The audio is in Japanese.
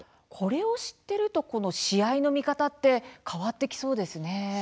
これを知っていると試合の見方も変わってきそうですね。